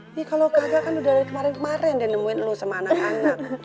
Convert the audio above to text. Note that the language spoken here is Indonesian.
ini kalau kakak kan udah dari kemarin kemarin dia nemuin lu sama anak anak